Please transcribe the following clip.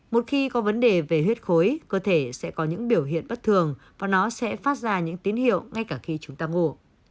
một khi có vấn đề về huyết khối cơ thể sẽ có những biểu hiện bất thường và nó sẽ phát ra những tín hiệu ngay cả khi chúng ta ngủ